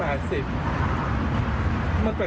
มันแปลกแปลกผมก็เลยขอถ่ายรูปแกเอาไว้